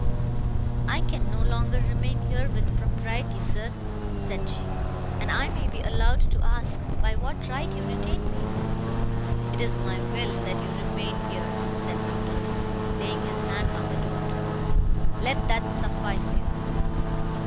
"I can no longer remain here with propriety, sir," said she, "and I may be allowed to ask, by what right you detain me." "It is my will that you remain here," said Montoni, laying his hand on the door to go; "let that suffice you."